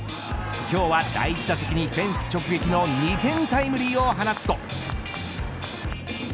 今日は第１打席にフェンス直撃の２点タイムリーを放つと。